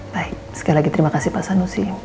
baik sekali lagi terima kasih pak sanusi